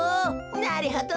なるほど。